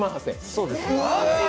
そうです。